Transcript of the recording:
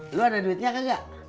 lu ada duitnya ke gak